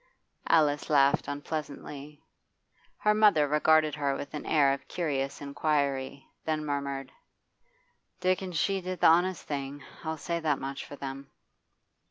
Alice laughed unpleasantly. Her mother regarded her with an air of curious inquiry, then murmured: 'Dick and she did the honest thing. I'll say so much for them.